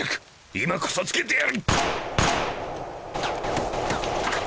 今こそつけてやる！